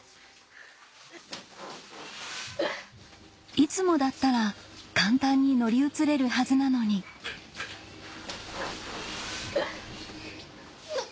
いつもだったら簡単に乗り移れるはずなのによっ！